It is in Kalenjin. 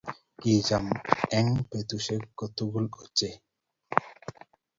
Kichamin en betushek kotugul ochei